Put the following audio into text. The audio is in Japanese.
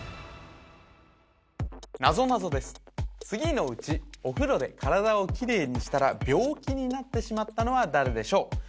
次のうちお風呂で体をきれいにしたら病気になってしまったのは誰でしょう？